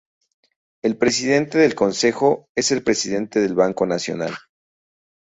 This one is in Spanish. El Presidente del Consejo es el Presidente del Banco Nacional.